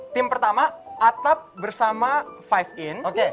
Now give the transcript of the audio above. tim pertama atap bersama lima in